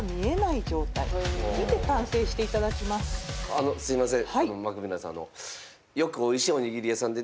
あのすみません